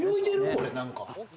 これなんか。